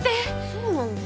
そうなんだ。